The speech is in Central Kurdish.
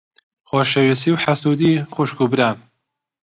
خۆشەویستی و حەسوودی خوشک و بران.